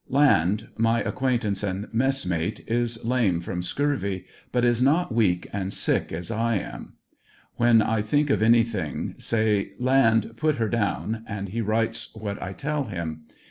Land, my acquaintance and mess mate, is lame from scurvy, but is not* weak and sick as I am. When I think of anything, say: "Land, put her down," and he writes what I tell him.